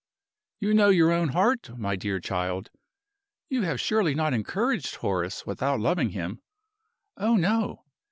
"You know your own heart, my dear child? You have surely not encouraged Horace without loving him?" "Oh no!"